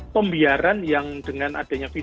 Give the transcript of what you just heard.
pembiaran yang dengan adanya